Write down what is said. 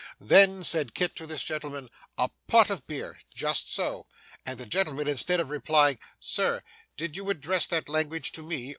Then said Kit to this gentleman, 'a pot of beer' just so and the gentleman, instead of replying, 'Sir, did you address that language to me?